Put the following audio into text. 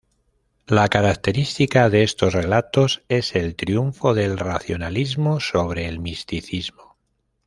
La característica de estos relatos es el triunfo del racionalismo sobre el misticismo.